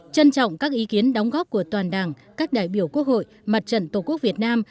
trân trọng các ý kiến đóng góp của toàn đảng các đại biểu quốc hội mặt trận tổ quốc việt nam